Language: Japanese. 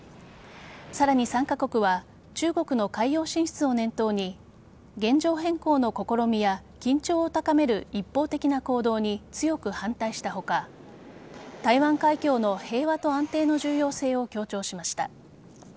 さらに、３カ国は中国の海洋進出を念頭に現状変更の試みや緊張を高める一方的な行動に強く反対した他台湾海峡の平和と安定の重要性を強調しました。